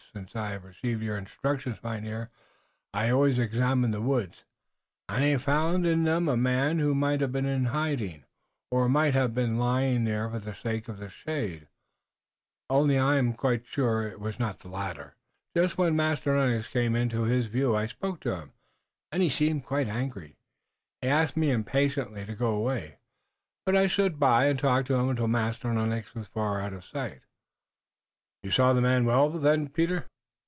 Since I have received your instructions, Mynheer, I always examine the woods, and I found in them a man who might have been in hiding, or who might have been lying there for the sake of the shade, only I am quite sure it was not the latter. Just when Master Lennox came into his view I spoke to him, and he seemed quite angry. He asked me impatiently to go away, but I stood by and talked to him until Master Lennox was far out of sight." "You saw the man well, then, Peter?"